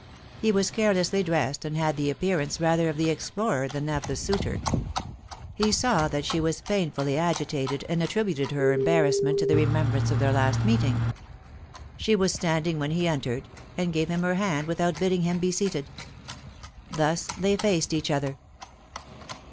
He was carelessly dressed, and had the appearance rather of the explorer than of the suitor. He saw that she was painfully agitated, and attributed her embarrassment to the remembrance of their last meeting. She was standing when he entered, and gave him her hand without bidding him be seated. Thus they faced each other.